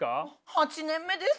８年目です。